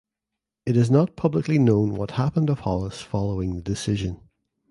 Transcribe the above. It is not publicly known what happened of Hollis following the decision.